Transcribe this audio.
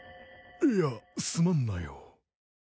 いやすまんなよ。